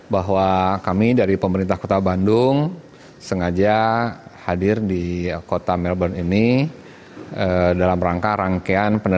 bahwa kami dari pemerintah kota bandung sengaja hadir di kota melbourne ini